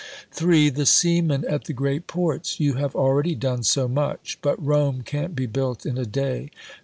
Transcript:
(3) The seamen at the great Ports. You have already done so much. But Rome can't be built in a day.